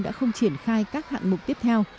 đã không triển khai các hạng mục tiếp theo